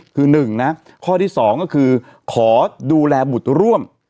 คือหนึ่งนะข้อที่สองก็คือขอดูแลบุตรร่วม